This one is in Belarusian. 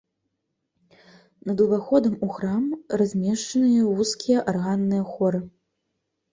Над уваходам у храм размешчаныя вузкія арганныя хоры.